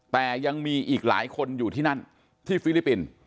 แต่ยังมีอีกหลายคนอยู่ที่นั่นที่ฟิลิปปินส์